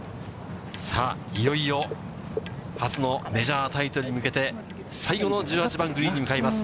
さあ、いよいよ初のメジャータイトルに向けて、最後の１８番グリーンに向かいます。